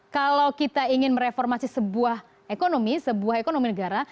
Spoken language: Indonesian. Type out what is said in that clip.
kalau kita ingin mereformasi sebuah ekonomi sebuah ekonomi negara